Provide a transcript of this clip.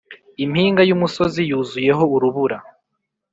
impinga yumusozi yuzuyeho urubura.